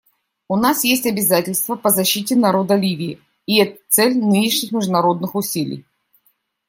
У нас есть обязательства по защите народа Ливии, и это цель нынешних международных усилий.